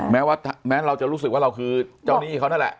แม้เราจะรู้สึกว่าเราคือเจ้าหนี้เขานั่นแหละ